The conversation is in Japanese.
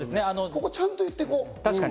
ここはちゃんと言っていこう。